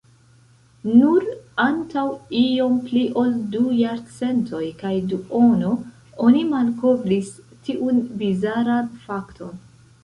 Nur antaŭ iom pli ol du jarcentoj kaj duono, oni malkovris tiun bizaran fakton.